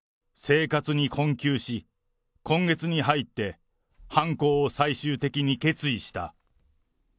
生活に困窮し、今月に入って犯行を最終的に決意した。